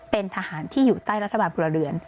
เป็นทหารที่อยู่ใต้รัฐบาลพลเรือน